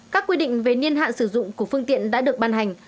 các quy định về niên hạn sử dụng của phương tiện đã được ban hành